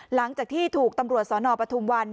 หลังจากที่ถูกตำรวจสนปทุมวัน